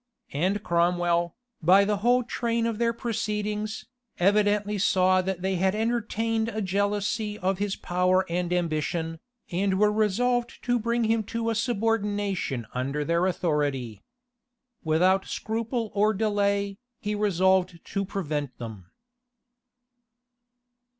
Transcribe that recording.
And Cromwell, by the whole train of their proceedings, evidently saw that they had entertained a jealousy of his power and ambition, and were resolved to bring him to a subordination under their authority. Without scruple or delay, he resolved to prevent them.